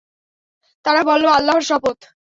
তারা বলল, আল্লাহর শপথ!